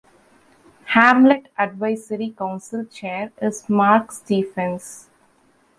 Hamlet Advisory Council Chair is Mark Stephens.